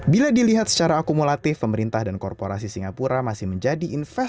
bila dilihat secara akumulatif pemerintah dan korporasi singapura masih menjadi investasi